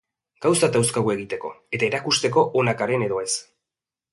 Gauzak dauzkagu egiteko eta erakusteko onak garen edo ez.